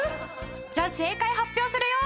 じゃあ正解発表するよ。